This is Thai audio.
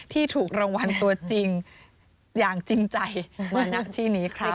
ถูกรางวัลตัวจริงอย่างจริงใจมาหน้าที่นี้ใคร